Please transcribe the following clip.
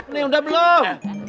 ini udah belum